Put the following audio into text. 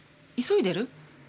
急いでる？